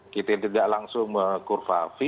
kita tidak langsung kurva fee